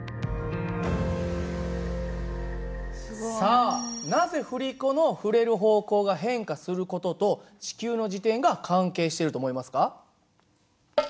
さあなぜ振り子の振れる方向が変化する事と地球の自転が関係していると思いますか？